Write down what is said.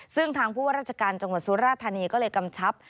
ซึ่งทางผู้ว่าราชการจังหวัดสุราธานีก็เลยกำชับ